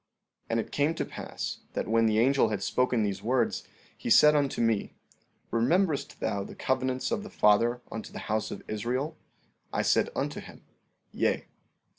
14:8 And it came to pass that when the angel had spoken these words, he said unto me: Rememberest thou the covenants of the Father unto the house of Israel? I said unto him, Yea.